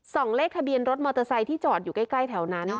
เลขทะเบียนรถมอเตอร์ไซค์ที่จอดอยู่ใกล้แถวนั้น